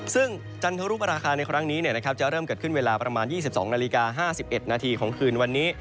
ซึ่งจันทรุปราคาในครั้งนี้จะเริ่มเกิดขึ้นเวลาประมาณ๒๒นาฬิกา๕๑นาทีของคืนวันนี้